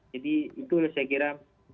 jadi itu saya kira